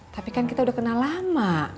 tapi kan kita udah kenal lama